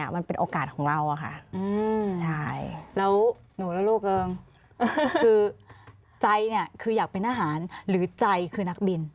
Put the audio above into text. มันเป็นโอกาสของเราค่ะใช่